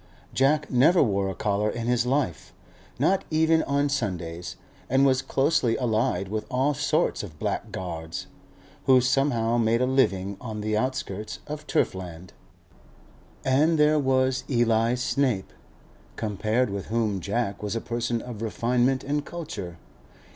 Jack never wore a collar in his life, not even on Sundays, and was closely allied with all sorts of blackguards, who somehow made a living on the outskirts of turf land. And there was Eli Snape, compared with whom Jack was a person of refinement and culture.